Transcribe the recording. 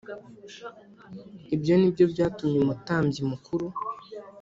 Ibyo ni byo byatumye umutambyi mukuru